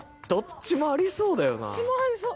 どっちもありそうだよな。